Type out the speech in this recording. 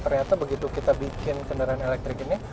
ternyata begitu kita bikin kendaraan elektrik ini